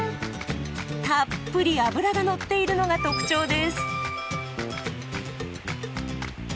たっぷり脂がのっているのが特徴です。